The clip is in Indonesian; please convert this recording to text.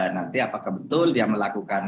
nanti apakah betul dia melakukan